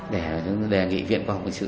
để nghị viện khoa học quân sự